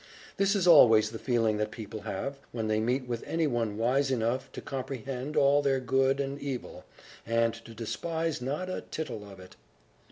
This is always the feeling that people have, when they meet with anyone wise enough to comprehend all their good and evil, and to despise not a tittle of it.